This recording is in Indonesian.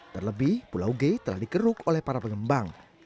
terlebih pulau g telah dikeruk oleh para pengembang